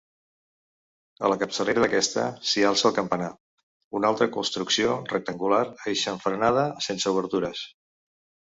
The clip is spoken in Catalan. A la capçalera d'aquesta s'hi alça el campanar, una alta construcció rectangular aixamfranada sense obertures.